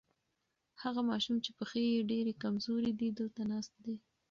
هغه ماشوم چې پښې یې ډېرې کمزورې دي دلته ناست دی.